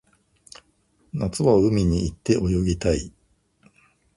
夏は海に行って泳ぎたい